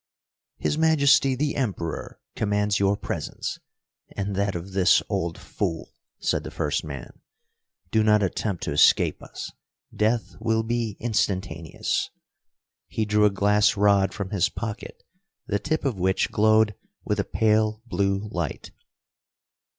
"His Majesty the Emperor commands your presence, and that of this old fool," said the first man. "Do not attempt to escape us. Death will be instantaneous." He drew a glass rod from his pocket, the tip of which glowed with a pale blue light.